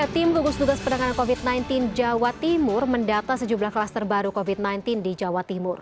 tim gugus tugas penanganan covid sembilan belas jawa timur mendata sejumlah kluster baru covid sembilan belas di jawa timur